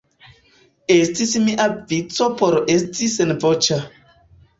Estis mia vico por esti senvoĉa.